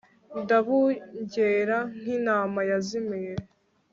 ndabungera nk'intama yazimiye